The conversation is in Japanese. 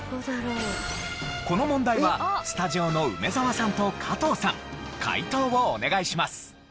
この問題はスタジオの梅沢さんと加藤さん解答をお願いします。